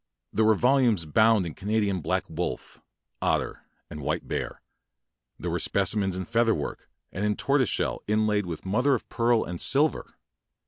There were volumes bound in Canadian black wolf, otter, and white bear. There were speci mens in feather work, and in tortoise shell inlaid with mother of pearl and silver.